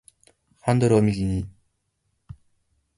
ハンドルを右に